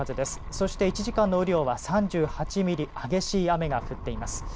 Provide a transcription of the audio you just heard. そして、１時間の雨量は３８ミリ激しい雨が降っています。